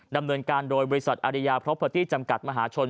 ดำเนินการโดยบริษัทอาริยาพร้อมเพอร์ตี้จำกัดมหาชน